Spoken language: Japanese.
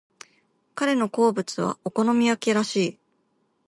彼の好物はお好み焼きらしい。